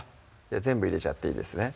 全部入れちゃっていいですね